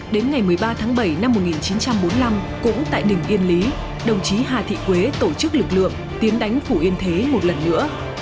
đến ngày một mươi ba tháng bảy năm một nghìn chín trăm bốn mươi năm cũng tại đỉnh yên lý đồng chí hà thị quế tổ chức lực lượng tiến đánh phủ yên thế một lần nữa